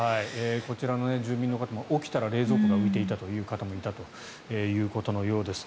こちらの住民の方も起きたら冷蔵庫が浮いていたという方もいたということのようです。